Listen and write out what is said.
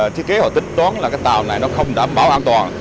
thiết kế họ tính toán là cái tàu này nó không đảm bảo an toàn